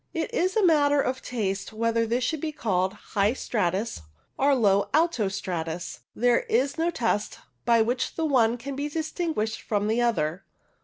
It is a matter of taste whether this should be called high stratus or low alto stratus. There is no test by which the one can be distinguished from the other.